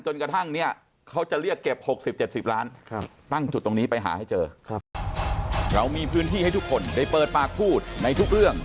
จนกระทั่งนี้เขาจะเรียกเก็บ๖๐๗๐ล้านตั้งจุดตรงนี้ไปหาให้เจอ